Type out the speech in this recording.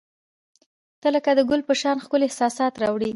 • ته لکه د ګل په شان ښکلي احساسات راوړي.